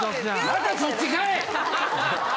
またそっちかい！